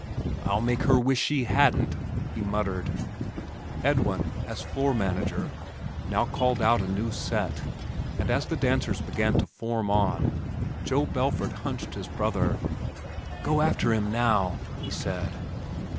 "I'll make her wish she hadn't," he muttered. Edwin, as floor manager, now called out a new "set" and as the dancers began to "form on," Joe Belford hunched his brother. "Go after him now," he said.